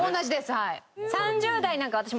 はい。